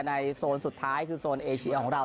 โซนสุดท้ายคือโซนเอเชียของเรา